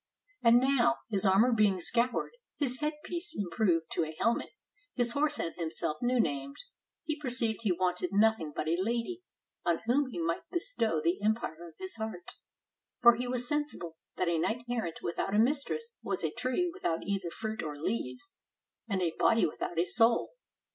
And now, his armor being scoured, his headpiece im proved to a helmet, his horse and himself new named, he perceived he wanted nothing but a lady, on whom he might bestow the empire of his heart; for he was sensible that a knight errant without a mistress was a tree without either fruit or leaves, and a body without a soul.